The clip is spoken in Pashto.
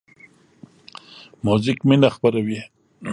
موزیک مینه خپروي.